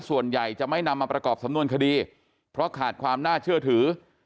ส่วนใหญ่จะไม่นำมาประกอบสำนวนคดีเพราะขาดความน่าเชื่อถือ